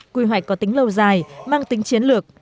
quy hoạch có tính lâu dài mang tính chiến lược